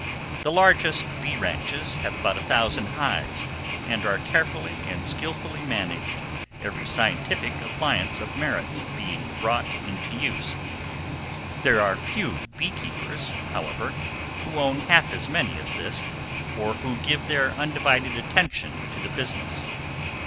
The largest bee ranches have about a thousand hives, and are carefully and skilfully managed, every scientific appliance of merit being brought into use. There are few bee keepers, however, who own half as many as this, or who give their undivided attention to the business.